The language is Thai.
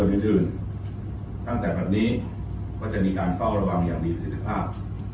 เรื่อยตั้งแต่แบบนี้กว่าจะมีการเฝ้าระวังอย่างดีของสุขภาพ